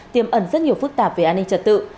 tiêm ẩn rất nhiều phức tạp về an ninh trật tự